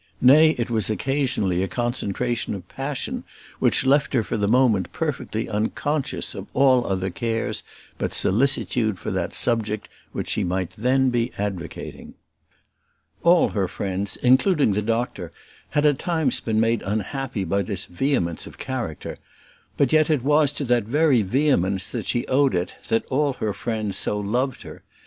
nay, it was occasionally a concentration of passion, which left her for the moment perfectly unconscious of all other cares but solicitude for that subject which she might then be advocating. All her friends, including the doctor, had at times been made unhappy by this vehemence of character; but yet it was to that very vehemence that she owed it that all her friends so loved her.